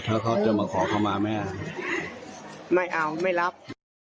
บอกเป็นรักแล้วนะแล้วถ้าเขาจะมาขอคำมาแม่ไม่เอาไม่รับ